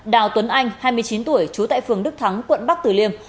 đào tuấn anh hai mươi chín tuổi trú tại phường đức thắng quận bắc tử liêm